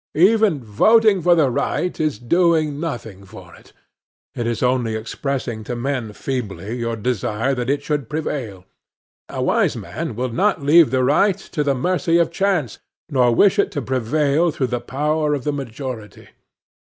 Even voting for the right is doing nothing for it. It is only expressing to men feebly your desire that it should prevail. A wise man will not leave the right to the mercy of chance, nor wish it to prevail through the power of the majority.